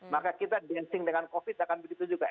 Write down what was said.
maka kita dancing dengan covid akan begitu juga